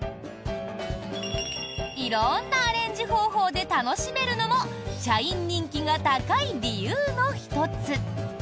色んなアレンジ方法で楽しめるのも社員人気が高い理由の１つ！